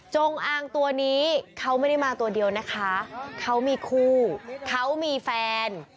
จงอางตัวนี้เขาไม่ได้มาตัวเดียวนะคะเขามีคู่เขามีแฟน